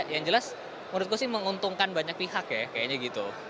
yang jelas menurutku sih menguntungkan banyak pihak ya kayaknya gitu